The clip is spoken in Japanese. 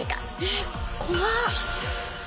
えっ怖っ！